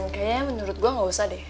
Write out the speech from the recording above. kayaknya menurut gue gak usah deh